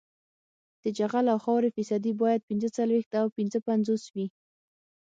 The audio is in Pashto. د جغل او خاورې فیصدي باید پینځه څلویښت او پنځه پنځوس وي